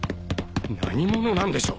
何者なんでしょう？